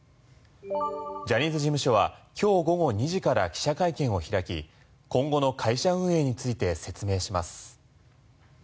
ジャニーズ事務所は今日午後２時から記者会見を開き今後の会社運営について説明します。